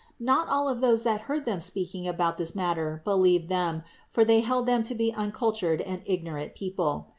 Not all of those that heard them speaking about this matter believed them, for they held them to be uncul tured and ignorant people.